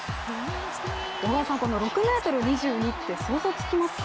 小川さん、この６ｍ２２って想像つきますか？